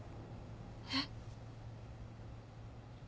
えっ。